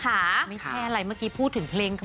เพราะว่ามีเพื่อนซีอย่างน้ำชาชีระนัทอยู่เคียงข้างเสมอค่ะ